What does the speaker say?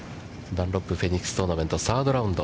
ダンロップフェニックストーナメント、サードラウンド。